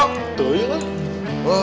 betul ya bang